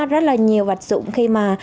rất là nhiều vật dụng khi mà